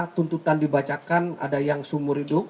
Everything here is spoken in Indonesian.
tuntutan dibacakan ada yang sumur hidup